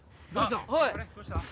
どうしたん？